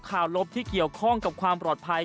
ลบที่เกี่ยวข้องกับความปลอดภัย